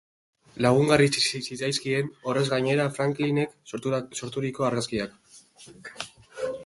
Lagungarri zitzaizkien, horrez gainera, Franklin-ek sorturiko argazkiak.